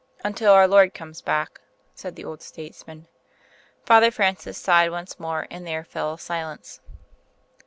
"Until our Lord comes back," said the old statesman. Father Francis sighed once more, and there fell a silence.